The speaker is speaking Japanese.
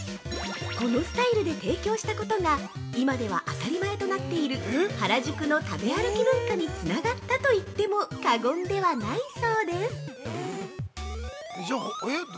このスタイルで提供したことが今では当たり前となっている原宿の食べ歩き文化につながったといっても過言ではないそうです◆